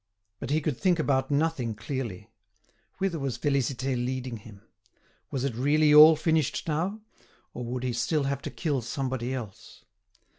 But he could think about nothing clearly. Whither was Félicité leading him? Was it really all finished now, or would he still have to kill somebody else?